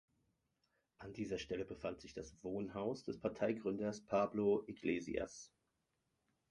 An dieser Stelle befand sich das Wohnhaus des Parteigründers Pablo Iglesias.